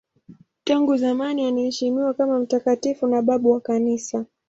Tangu zamani anaheshimiwa kama mtakatifu na babu wa Kanisa.